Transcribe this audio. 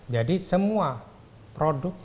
jadi semua produk